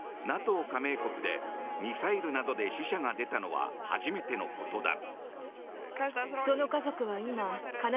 加盟国でミサイルなどで死者が出たのは初めてのことだ。